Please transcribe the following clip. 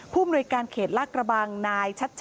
ผู้มนุยการเขตหลักกระบังนายชัชญาคัมจรด